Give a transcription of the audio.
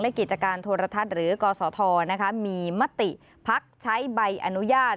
และกิจการโทรทัศน์หรือกศธมีมติพักใช้ใบอนุญาต